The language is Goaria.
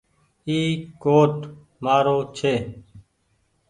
اي ڪوٽ مآ رو ڇي ۔